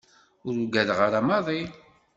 Ur ugadeɣ ara maḍi.